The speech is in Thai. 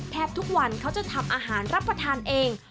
ทุกวันเขาจะทำอาหารรับประทานเอง